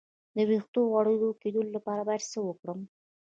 د ویښتو د غوړ کیدو لپاره باید څه وکړم؟